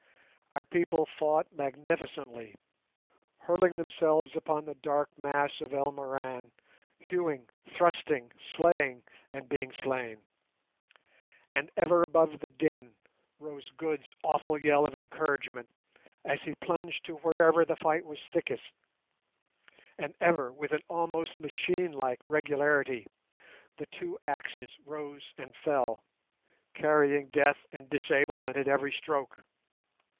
Our people fought magnificently, hurling themselves upon the dark mass of Elmoran, hewing, thrusting, slaying, and being slain. And ever above the din rose Good's awful yell of encouragement as he plunged to wherever the fight was thickest; and ever, with an almost machine like regularity, the two axes rose and fell, carrying death and disablement at every stroke.